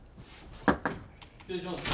失礼します。